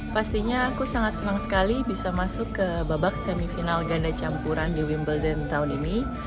pastinya aku sangat senang sekali bisa masuk ke babak semifinal ganda campuran di wimbledon tahun ini